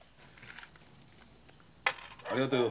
ありがとよ。